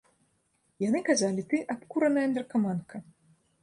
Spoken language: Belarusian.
Яны казалі, ты — абкураная наркаманка.